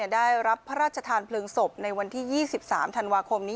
ได้รับพระราชทานเพลิงศพในวันที่๒๓ธันวาคมนี้